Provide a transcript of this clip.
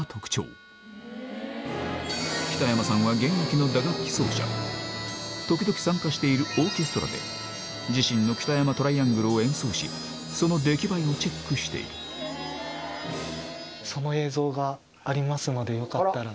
その大きさ故のが特徴時々参加しているオーケストラで自身の北山トライアングルを演奏しその出来栄えをチェックしているのでよかったら。